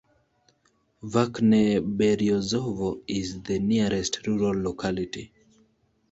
Verkhneberyozovo is the nearest rural locality.